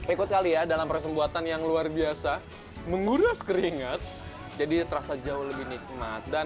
ikut kali ya dalam persembuatan yang luar biasa menguras keringat jadi terasa jauh lebih nikmat dan